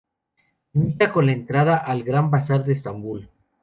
Limita con la entrada al Gran Bazar de Estambul.